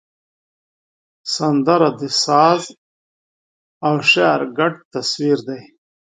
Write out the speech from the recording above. سندره د ساز او شعر ګډ تصویر دی